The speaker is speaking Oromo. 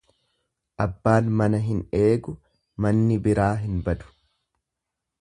Abbaan mana hin eegu manni biraa hin badu.